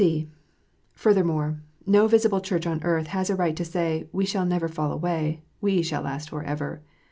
(c) Furthermore, no visible Church on earth has a right to say, " We shall never fall away. We shall last for ever."